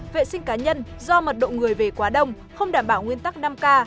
vệ sinh cá nhân do mật độ người về quá đông không đảm bảo nguyên tắc năm k